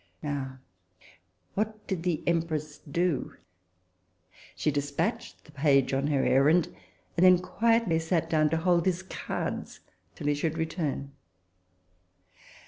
Now, what did the Empress do ? she despatched the page on her errand, and then quietly sat down to hold his cards till he should return.